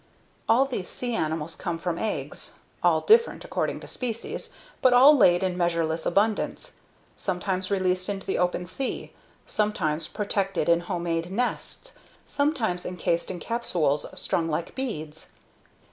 All these sea animals come from eggs, all different according to species, but all laid in measureless abundance sometimes released into the open sea, sometimes protected in homemade nests, sometimes encased in capsules strung like beads.